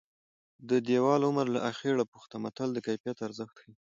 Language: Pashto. د دېوال عمر له اخېړه پوښته متل د کیفیت ارزښت ښيي